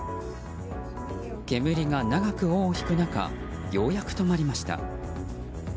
煙が長く尾を引く中ようやく止まりました。